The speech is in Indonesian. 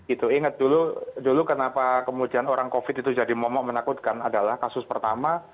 itu ingat dulu kenapa kemudian orang covid itu jadi momok menakutkan adalah kasus pertama